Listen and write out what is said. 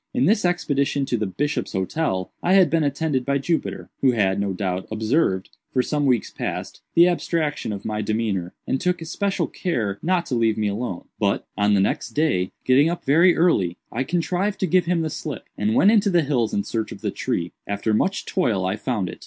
"In this expedition to the 'Bishop's Hotel' I had been attended by Jupiter, who had, no doubt, observed, for some weeks past, the abstraction of my demeanor, and took especial care not to leave me alone. But, on the next day, getting up very early, I contrived to give him the slip, and went into the hills in search of the tree. After much toil I found it.